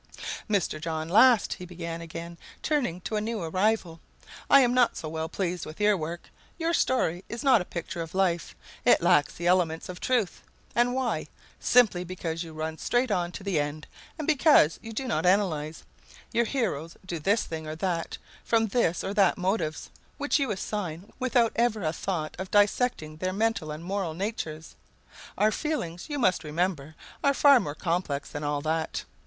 "Mr. John Last," he began again, turning to a new arrival, "I am not so well pleased with your work. Your story is not a picture of life; it lacks the elements of truth. And why? Simply because you run straight on to the end; because you do not analyze. Your heroes do this thing or that from this or that motive, which you assign without ever a thought of dissecting their mental and moral natures. Our feelings, you must remember, are far more complex than all that.